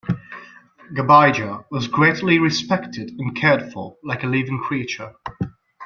Gabija was greatly respected and cared for like a living creature.